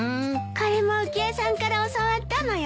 これも浮江さんから教わったのよ。